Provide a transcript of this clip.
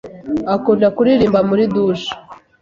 akunda kuririmba muri douche.